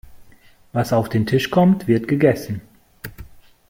Was auf den Tisch kommt, wird gegessen.